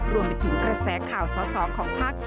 รวมไปถึงกระแสข่าวสอสอของพัก